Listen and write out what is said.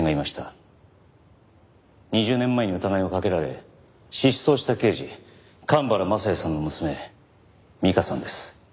２０年前に疑いをかけられ失踪した刑事神原雅也さんの娘美加さんです。